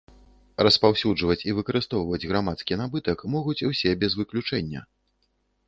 Распаўсюджваць і выкарыстоўваць грамадскі набытак могуць усе без выключэння.